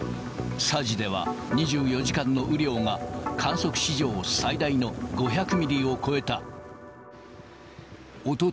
佐治では２４時間の雨量が、観測史上最大の５００ミリを超えた。